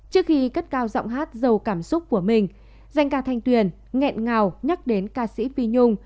trước khi cất cao giọng hát giàu cảm xúc của mình danh ca thanh tuyền nghẹn ngào nhắc đến ca sĩ pi nhung